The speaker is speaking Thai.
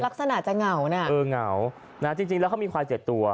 ลักษณะจะเหงานะเออเหงานะจริงแล้วเขามีควายเจ็ดตัว